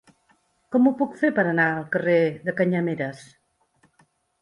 Com ho puc fer per anar al carrer de Canyameres?